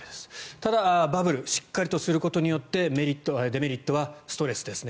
ただ、バブルしっかりとすることによってデメリットはストレスですね。